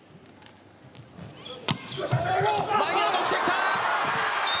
前に落としてきた。